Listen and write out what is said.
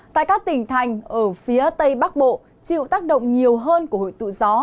tại các tỉnh thành ở phía tây bắc bộ chịu tác động nhiều hơn của hội tụ gió